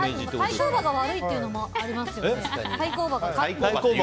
対抗馬が悪いというのもありますよね。